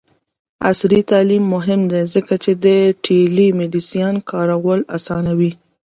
عصري تعلیم مهم دی ځکه چې د ټیلی میډیسین کارول اسانوي.